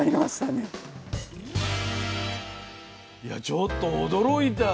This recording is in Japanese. ちょっと驚いた。